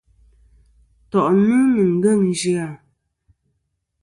To’ni ni ngeng zya.